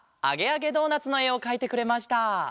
「あげあげドーナツ」のえをかいてくれました。